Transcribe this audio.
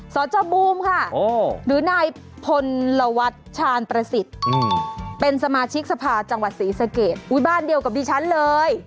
สจบูมค่ะหรือนายพลวัฒน์ชาญประสิทธิ์เป็นสมาชิกสภาจังหวัดศรีสะเกดอุ้ยบ้านเดียวกับดิฉันเลย